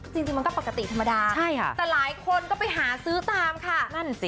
จริงมันก็ปกติธรรมดาแต่หลายคนก็ไปหาซื้อตามค่ะนั่นสิ